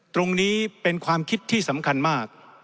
ตรงนี้เป็นความคิดที่สำคัญมาก